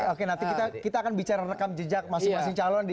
oke nanti kita akan bicara rekam jejak masing masing calon